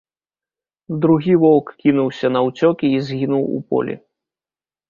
Другі воўк кінуўся наўцёкі і згінуў у полі.